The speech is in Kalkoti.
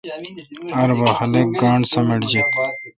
ار بھا خلق گاݨڈ سمٹ جیت۔